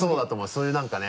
そういう何かね